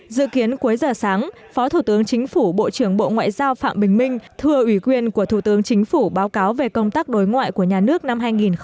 dự kiến cuối giờ sáng phó thủ tướng chính phủ bộ trưởng bộ ngoại giao phạm bình minh thừa ủy quyền của thủ tướng chính phủ báo cáo về công tác đối ngoại của nhà nước năm hai nghìn một mươi chín